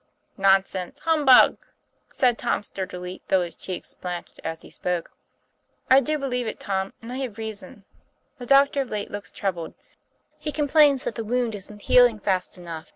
' Nonsense! Humbug!" said Tom sturdily, though his cheek blanched as he spoke. 'I do believe it, Tom, and I have reason. The doctor of late looks troubled. He complains that the wound isn't healing fast enough.